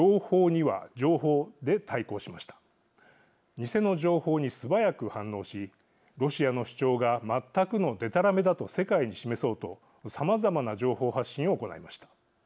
偽の情報に素早く反応しロシアの主張が全くのでたらめだと世界に示そうとさまざまな情報発信を行いました。